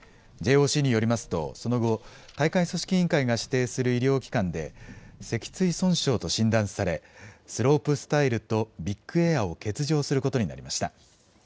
ＪＯＣによりますと、その後、大会組織委員会が指定する医療機関で、脊椎損傷と診断され、スロープスタイルと、ビッグエアを欠場することになりました。